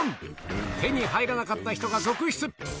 手に入らなかった人が続出。